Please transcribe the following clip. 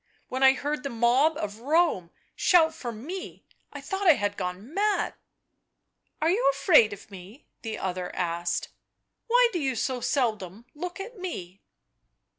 — when I heard the mob of Rome shout for me — I thought I had gone mad!" " Are you afraid of me?" the other asked. " Why do you so seldom look at me?"